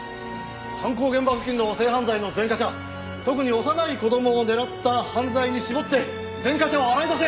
犯行現場付近の性犯罪の前科者特に幼い子供を狙った犯罪に絞って前科者を洗い出せ。